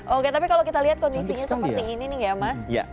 oke tapi kalau kita lihat kondisinya seperti ini nih ya mas